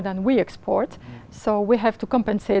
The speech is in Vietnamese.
cần phải dựa